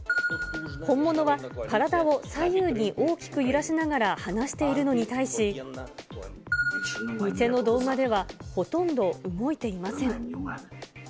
本物は体を左右に大きく揺らしながら話しているのに対し、偽の動画では、ほとんど動いていません。